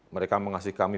mereka mengasih kami